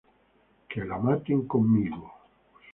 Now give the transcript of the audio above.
Que la maten conmigo!